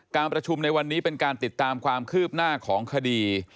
การประชุมในวันนี้เป็นการติดตามความคืบหน้าของคดี